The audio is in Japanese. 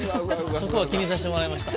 そこはきめさしてもらいました。